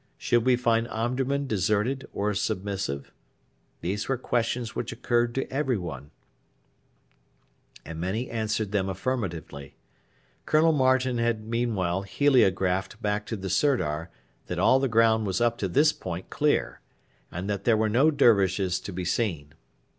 Should we find Omdurman deserted or submissive? These were questions which occurred to everyone, and many answered them affirmatively. Colonel Martin had meanwhile heliographed back to the Sirdar that all the ground was up to this point clear, and that there were no Dervishes to be seen.